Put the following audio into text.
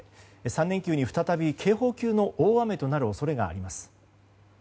３連休に再び警報級の大雨となる恐れがあります。